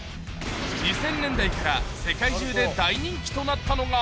２０００年代から世界中で大人気となったのが。